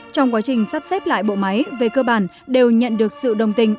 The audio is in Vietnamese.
trong quá trình sắp xếp lại bộ máy về cơ bản đều nhận được sự đồng tình